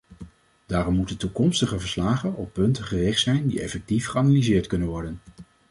Daarom moeten toekomstige verslagen op punten gericht zijn die effectief geanalyseerd kunnen worden.